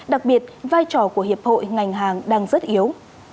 đặc biệt vai trò của hiệp hội ngành hàng đang rất yếu